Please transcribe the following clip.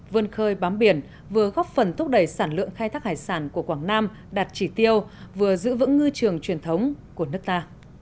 vươn khơi bám biển vừa góp phần thúc đẩy sản lượng khai thác hải sản của quảng nam đạt chỉ tiêu vừa giữ vững ngư trường truyền thống của nước ta